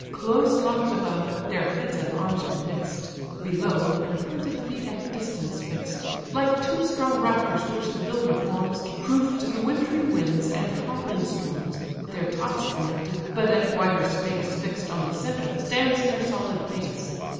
Close lock'd above, their heads and arms are mix'd: Below, their planted feet at distance fix'd; Like two strong rafters which the builder forms, Proof to the wintry winds and howling storms, Their tops connected, but at wider space Fix'd on the centre stands their solid base.